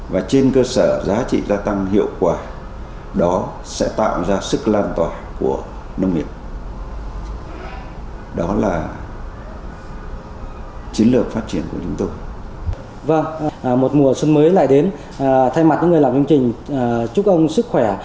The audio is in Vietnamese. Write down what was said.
và trên cơ sở giá trị gia tăng lấy được hiệu quả và trên cơ sở giá trị gia tăng lấy được hiệu quả